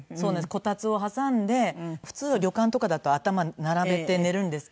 コタツを挟んで普通は旅館とかだと頭並べて寝るんですけど。